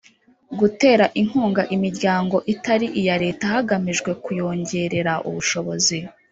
Gutera inkunga imiryango itari iya Leta hagamijwe kuyongerera ubushobozi